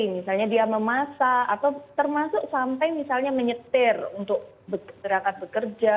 misalnya dia memasak atau termasuk sampai misalnya menyetir untuk gerakan bekerja